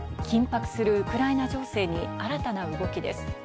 緊迫するウクライナ情勢に新たな動きです。